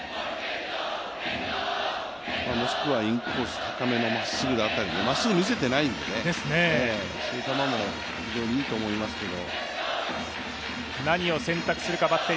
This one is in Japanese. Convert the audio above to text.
もしくはインコース高めのまっすぐ辺りでまっすぐ見せてないんでね、そういう球も非常にいいと思いますけど。